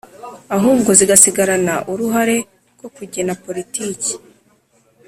ahubwo zigasigarana uruhare rwo kugena politiki